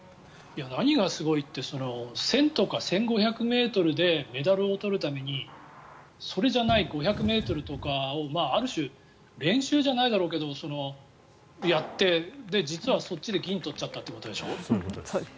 何がすごいって１０００ｍとか１５００ｍでメダルを取るためにそれじゃない５００ｍとかをある種、練習じゃないだろうけどやって実はそっちで銀を取っちゃったということでしょ。